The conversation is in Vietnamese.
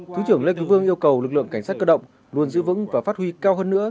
thứ trưởng lê quốc vương yêu cầu lực lượng cảnh sát cơ động luôn giữ vững và phát huy cao hơn nữa